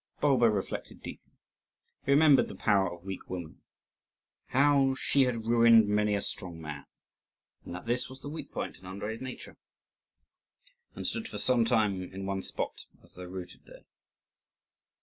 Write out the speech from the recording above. Bulba reflected deeply. He remembered the power of weak woman how she had ruined many a strong man, and that this was the weak point in Andrii's nature and stood for some time in one spot, as though rooted there.